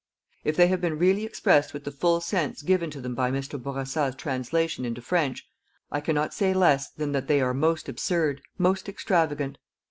If they have been really expressed with the full sense given to them by Mr. Bourassa's translation into French, I cannot say less than that they are most absurd, most extravagant.